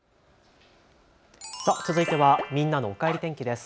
続いてはみんなのおかえり天気です。